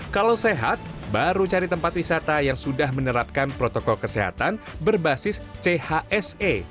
kalau sehat baru cari tempat wisata yang sudah menerapkan protokol kesehatan berbasis chse